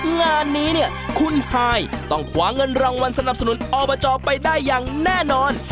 งานนี้เนี่ยคุณฮายต้องขวาเงินรางวัลสนับสนุนอบจไปได้อย่างแน่นอน